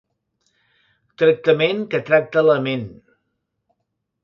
Tractament que tracta la ment.